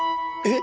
え？